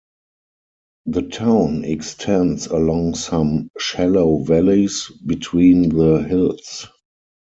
The town extends along some shallow valleys between the hills.